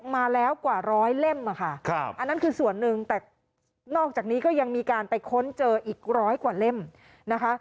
มาแล้วกว่าร้อยเล่มอันนั้นคือส่วนหนึ่งแต่นอกจากนี้ก็ยังมีการไปค้นเจออีกร้อยกว่าเล่มนะคะ